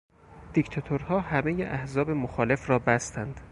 دیکتاتورها همهی احزاب مخالف را بستند.